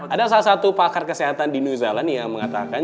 ada salah satu pakar kesehatan di new zealand yang mengatakan